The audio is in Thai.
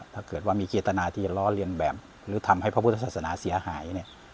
ถ้าเกิดว่ามีเจตนาที่จะล้อเลียนแบบหรือทำให้พระพุทธศาสนาเสียหายเนี่ย